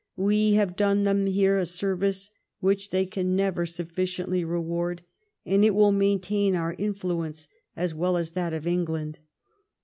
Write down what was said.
We have (lone tliem here a service wliich they can never snllicicntly reward, and it will maintain our influence as well as that of England."